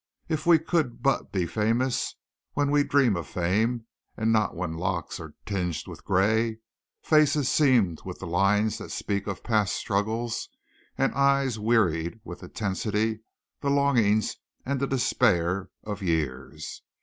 If we could but be famous when we dream of fame, and not when locks are tinged with grey, faces seamed with the lines that speak of past struggles, and eyes wearied with the tensity, the longings and the despairs of years!